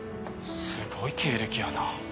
すごい経歴やな。